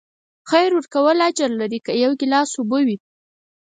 خیر ورکول اجر لري، که یو ګیلاس اوبه وي.